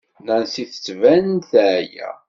Nancy tettban-d teɛya.